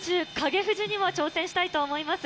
富士にも挑戦したいと思います。